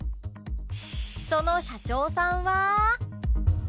その社長さんは